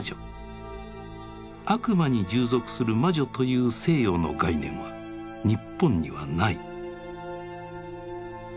悪魔に従属する魔女という西洋の概念は日本にはない。